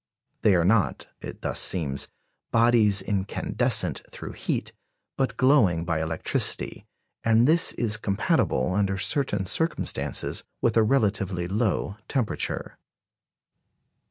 They are not, it thus seems, bodies incandescent through heat, but glowing by electricity; and this is compatible, under certain circumstances, with a relatively low temperature.